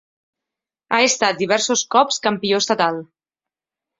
Ha estat diversos cops campió estatal.